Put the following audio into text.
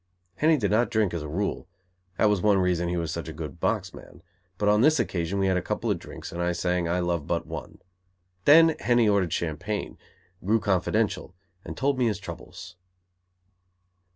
Henny did not drink as a rule; that was one reason he was such a good box man, but on this occasion we had a couple of drinks, and I sang "I love but one." Then Henny ordered champagne, grew confidential, and told me his troubles.